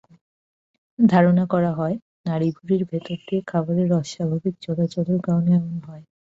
ধারণা করা হয়, নাড়িভুঁড়ির ভেতর দিয়ে খাবারের অস্বাভাবিক চলাচলের কারণে এমনটি হয়।